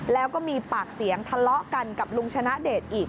แล้วก็มีปากเสียงทะเลาะกันกับลุงชนะเดชอีก